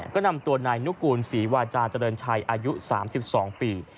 ก็นำตัวนายนุกูลศรีวาจาเจริญชัยอายุ๓๒ปี